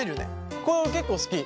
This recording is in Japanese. これ俺結構好き。